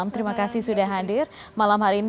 terima kasih sudah hadir malam hari ini